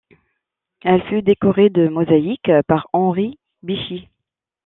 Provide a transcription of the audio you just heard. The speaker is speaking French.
Elle fut décorée de mosaïques par Henri Bichi.